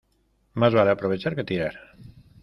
Más vale aprovechar que tirar.